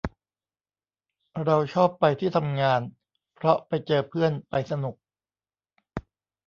เราชอบไปที่ทำงาน เพราะไปเจอเพื่อน ไปสนุก